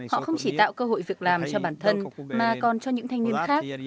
họ không chỉ tạo cơ hội việc làm cho bản thân mà còn cho những thanh niên khác